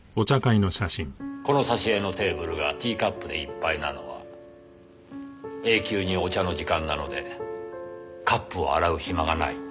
この挿絵のテーブルがティーカップでいっぱいなのは永久にお茶の時間なのでカップを洗う暇がない。